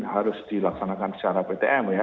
harus dilaksanakan secara ptm ya